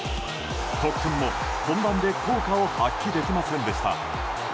特訓も、本番で効果を発揮できませんでした。